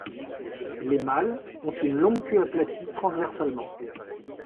Les mâles ont une longue queue aplatie transversalement.